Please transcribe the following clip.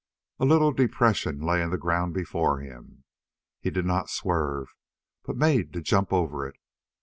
A little depression lay in the ground before him. He did not swerve, but made to jump over it.